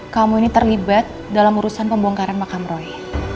kamu ini terlibat dalam urusan pembongkaran makam roy